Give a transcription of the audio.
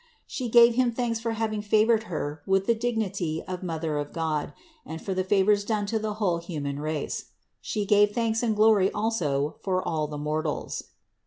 She gave Him thanks for having favored Her with the dig nity of Mother of God and for the favors done to the whole human race. She gave thanks and glory also for all the mortals.